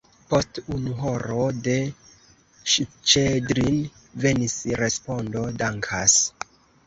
Post unu horo de Ŝĉedrin venis respondo: « Dankas!"